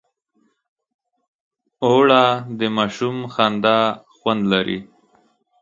اوړه د ماشوم خندا خوند لري